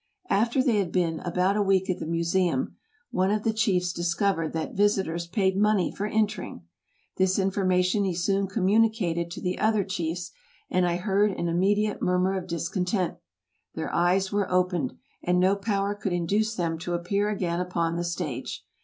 After they had been about a week at the Museum, one of the chiefs discovered that visitors paid money for entering. This information he soon communicated to the other chiefs, and I heard an immediate murmur of discontent. Their eyes were opened, and no power could induce them to appear again upon the stage.